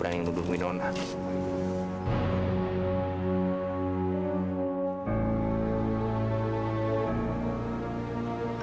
uh yang ingin ada oppression adalah